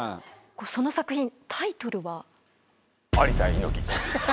その作品、タイトルは？